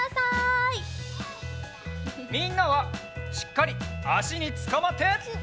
みんなはしっかりあしにつかまって！